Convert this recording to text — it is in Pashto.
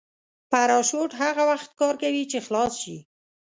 پراشوټ هغه وخت کار کوي چې خلاص شي.